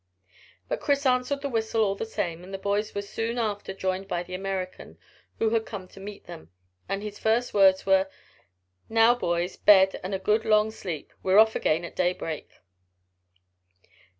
But Chris answered the whistle all the same, and the boys were soon after joined by the American, who had come to meet them, and his first words were "Now, boys, bed and a good long sleep. We're off again at daybreak."